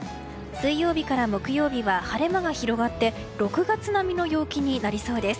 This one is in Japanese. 水曜日から木曜日は晴れ間が広がって６月並みの陽気になりそうです。